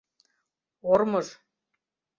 Ормыж!